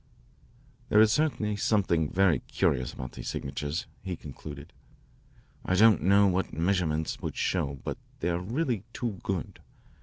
"There is certainly something very curious about these signatures," he concluded. "I don't know what measurements would show, but they are really too good.